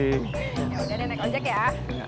udah deh naik ojek ya